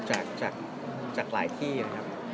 จากหลายที่นะครับ